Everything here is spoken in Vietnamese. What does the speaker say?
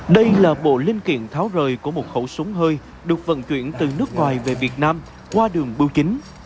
đây là bộ linh kiện tháo rời của một khẩu súng hơi được vận chuyển từ nước ngoài về việt nam qua đường bưu chính